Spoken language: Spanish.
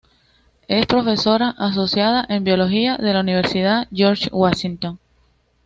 Es profesora asociada en biología de la Universidad George Washington.